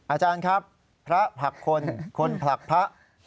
อาจารย์ครับพระผลักคนคนผลักพระ